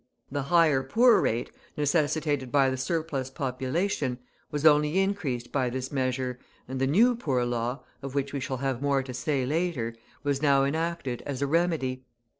The higher poor rate, necessitated by the surplus population, was only increased by this measure, and the new Poor Law, of which we shall have more to say later, was now enacted as a remedy.